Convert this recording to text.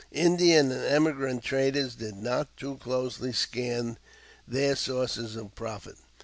Indian and emigrant traders did not too closely scan their sources of profit.